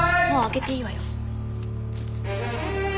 もう開けていいわよ。